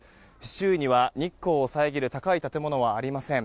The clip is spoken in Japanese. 周囲には日光を遮る高い建物はありません。